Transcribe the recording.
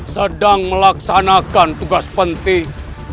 sedang melaksanakan tugas penting